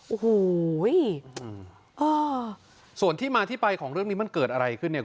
โอ้โหส่วนที่มาที่ไปของเรื่องนี้มันเกิดอะไรขึ้นเนี่ย